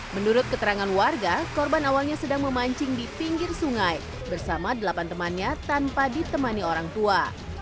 menurut keterangan warga korban awalnya sedang memancing di pinggir sungai bersama delapan temannya tanpa ditemani orang tua